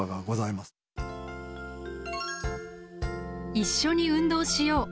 「一緒に運動しよう」